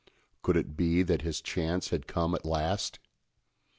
Could it be that his chance had come at last?